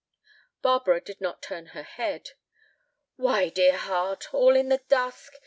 Barbara did not turn her head. "Why, dear heart, all in the dusk!